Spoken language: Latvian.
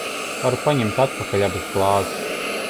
Varu paņemt atpakaļ abas glāzes?